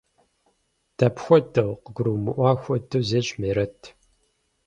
– Дапхуэдэу? – къыгурымыӀуа хуэдэ зещӀ Мерэт.